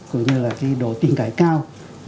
cũng như là cái độ tin cải cao